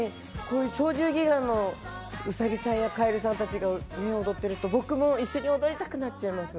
こういう「鳥獣戯画」のウサギさんやカエルさんたちがね踊ってると僕も一緒に踊りたくなっちゃいます。